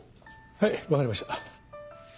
はいわかりました。